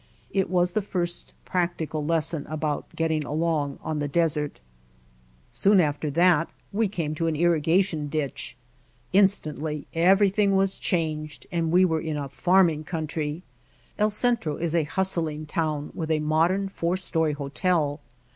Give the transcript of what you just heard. It was the first practical lesson about getting along on the desert. Soon after that we came to an irrigation ditch. Instantly everything was changed and we were in a farming country. El Centro is a hustling town with a modern four story hotel.